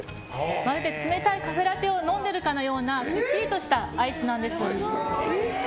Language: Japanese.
まるで冷たいカフェラテを飲んでるかのようなすっきりとしたアイスなんです。